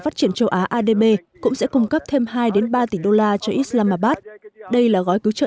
phát triển châu á adb cũng sẽ cung cấp thêm hai ba tỷ đô la cho islamabad đây là gói cứu trợ